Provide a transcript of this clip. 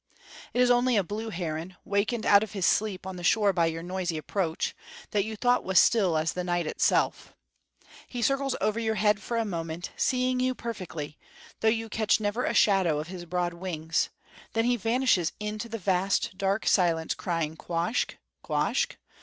It is only a blue heron, wakened out of his sleep on the shore by your noisy approach, that you thought was still as the night itself. He circles over your head for a moment, seeing you perfectly, though you catch never a shadow of his broad wings; then he vanishes into the vast, dark silence, crying _Quoskh? quoskh?